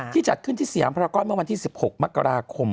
จัดขึ้นที่สยามพระรากรเมื่อวันที่๑๖มกราคม